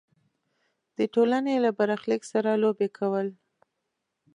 د ټولنې له برخلیک سره لوبې کول.